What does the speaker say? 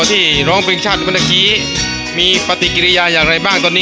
ที่ร้องเพลงชาติเมื่อตะกี้มีปฏิกิริยาอย่างไรบ้างตอนนี้